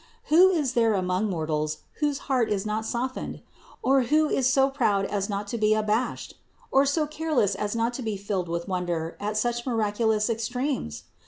Who is there among mortals whose heart is not softened? Or who is so proud as not to be abashed ? Or so careless as not to be filled with wonder at such miraculous extremes?